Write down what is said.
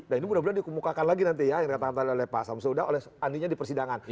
nah ini mudah mudahan dikemukakan lagi nanti ya yang dikatakan tadi oleh pak samsudha oleh andinya di persidangan